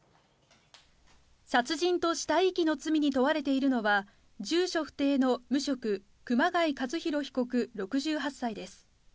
殺人と死体遺棄の罪に問われているのは、住所不定の無職、熊谷和洋被告６８歳です。